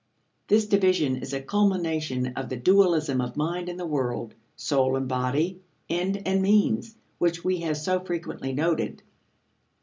This division is a culmination of the dualism of mind and the world, soul and body, end and means, which we have so frequently noted.